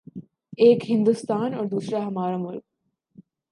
:ایک ہندوستان اوردوسرا ہمارا ملک۔